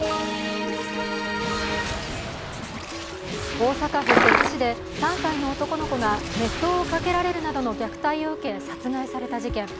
大阪府摂津市で３歳の男の子が熱湯をかけられるなどの虐待を受け、殺害された事件。